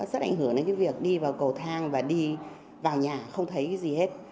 rất ảnh hưởng đến cái việc đi vào cầu thang và đi vào nhà không thấy cái gì hết